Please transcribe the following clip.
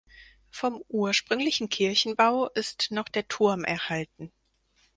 Vom ursprünglichen Kirchenbau ist noch der Turm erhalten.